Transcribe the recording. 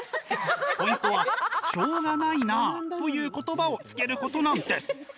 ポイントは、しょうがないなあという言葉をつけることなんです！